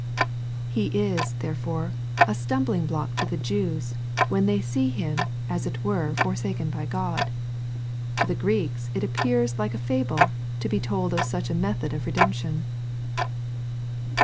He is, therefore, a stumblingblock to the Jeivs, when they see him as it were forsaken by God. To the Greeks it ap pears like a fable, to be told of such a method of redemption."